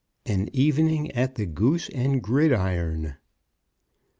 AN EVENING AT THE "GOOSE AND GRIDIRON."